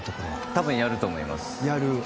多分やると思います。